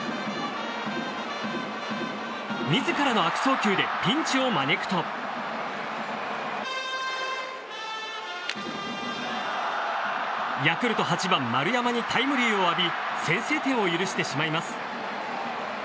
自らの悪送球でピンチを招くとヤクルト８番、丸山にタイムリーを浴び先制点を許してしまいます。